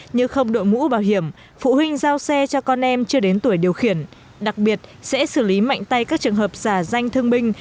như không đội mũ bảo hiểm phụ huynh giao xe cho con em chưa đến tuổi điều khiển đặc biệt sẽ xử lý mạnh tay các trường hợp giả danh thương binh